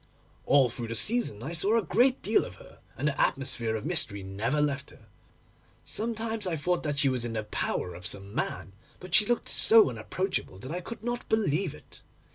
'All through the season I saw a great deal of her, and the atmosphere of mystery never left her. Sometimes I thought that she was in the power of some man, but she looked so unapproachable, that I could not believe it.